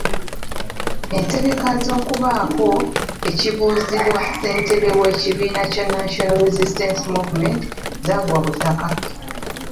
Entegeka z'okubaako ekibuuzibwa Ssentebe w'ekibiina kya National Resistance Movement zaagwa butaka.